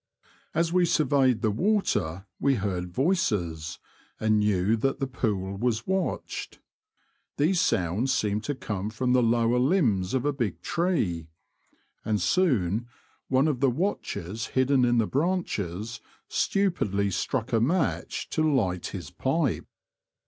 As we surveyed the water we heard voices, and knew that the pool was watched. These sounds seemed to come from the lower limbs of a big tree, and soon one of the watchers hidden in the branches stupidly struck a match to light his pipe.